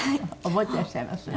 覚えてらっしゃいます？